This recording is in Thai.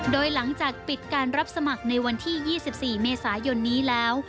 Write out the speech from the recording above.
โดยหลังจากปิดการรับสมัครในวันที่๒๔เมษายนนี้แล้ว